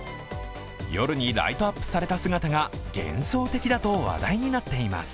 夜にライトアップされた姿が幻想的だと話題になっています。